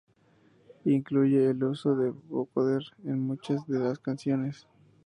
Incluye el uso de vocoder en muchas de las canciones.